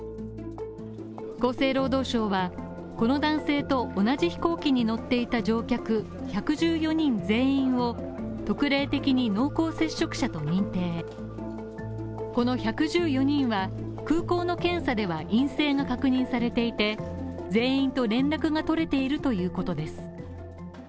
厚生労働省はこの男性と同じ飛行機に乗っていた乗客１１４人全員を特例的に濃厚接触者と認定、この１１４人は空港の検査では陰性が確認されていて、全員と連絡が取れているということです。